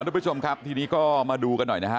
ทุกผู้ชมครับทีนี้ก็มาดูกันหน่อยนะฮะ